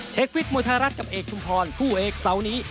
เทควิดมวยธรัฐกับเอกชุมพรคู่เอกเสานี้